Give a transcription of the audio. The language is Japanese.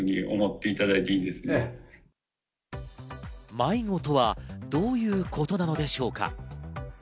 迷子とはどういうことなのでしょうか？